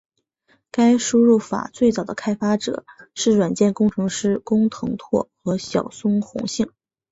该输入法最早的开发者是软件工程师工藤拓和小松弘幸。